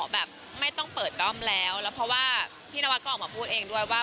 แบบไม่ต้องเปิดด้อมแล้วแล้วเพราะว่าพี่นวัดก็ออกมาพูดเองด้วยว่า